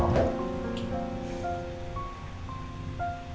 nggak usah bohong